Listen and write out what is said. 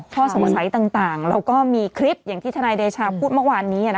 ข้อสงสัยต่างเราก็มีคลิปอย่างที่ทนายเดชาพูดเมื่อวานนี้